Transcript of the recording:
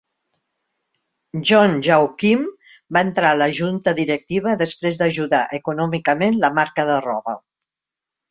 John Jaokim va entrar a la junta directiva després d'ajudar econòmicament la marca de roba.